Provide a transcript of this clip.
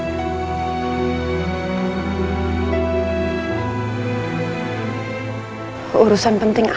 apa urusan penting